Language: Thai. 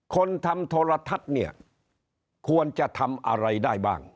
คนทำโทรทัศน์เนี่ยควรจะทำอะไรได้บ้าง